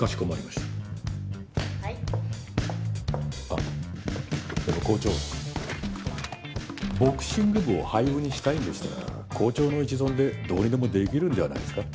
あっでも校長ボクシング部を廃部にしたいんでしたら校長の一存でどうにでもできるんじゃないですか？